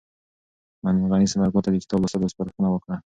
معلم غني ثمر ګل ته د کتاب لوستلو سپارښتنه وکړه.